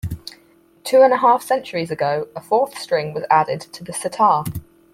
Two and a half centuries ago, a fourth string was added to the setar.